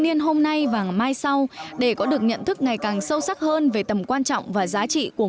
niên hôm nay và mai sau để có được nhận thức ngày càng sâu sắc hơn về tầm quan trọng và giá trị của